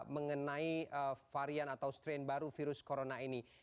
mengenai varian atau strain baru virus corona ini